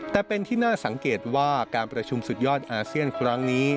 แต่เป็นที่น่าสังเกตว่าการประชุมสุดยอดอาเซียนครั้งนี้